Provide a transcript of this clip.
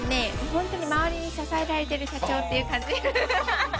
ホントに周りに支えられてる社長っていう感じフフフ！